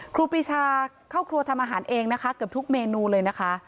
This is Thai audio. ครูปีชาเข้าครัวทำอาหารเองนะคะเกือบทุกเมนูเลยนะคะ